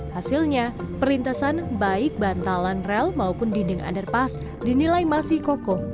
hasilnya perlintasan baik bantalan rel maupun dinding underpass dinilai masih kokoh